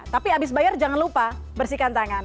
tapi habis bayar jangan lupa bersihkan tangan